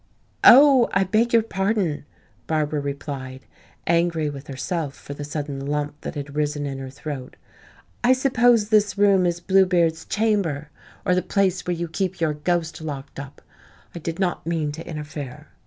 "Oh, I beg your pardon," Barbara replied, angry with herself for the sudden lump that had risen in her throat. "I suppose this room is Bluebeard's chamber, or the place where you keep your ghost locked up. I did not mean to interfere."